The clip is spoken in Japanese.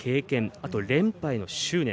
あとは連覇への執念